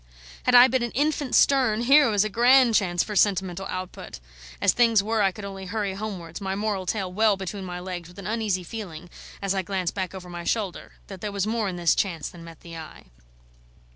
Had I been an infant Sterne, here was a grand chance for sentimental output! As things were, I could only hurry homewards, my moral tail well between my legs, with an uneasy feeling, as I glanced back over my shoulder, that there was more in this chance than met the eye.